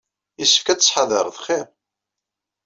Yessefk ad tettḥadareḍ xir.